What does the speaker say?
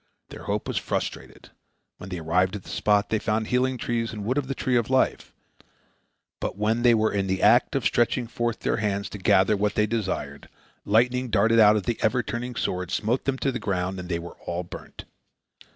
Their hope was frustrated. When they arrived at the spot, they found healing trees and wood of the tree of life, but when they were in the act of stretching forth their hands to gather what they desired, lightning darted out of the ever turning sword, smote them to the ground, and they were all burnt.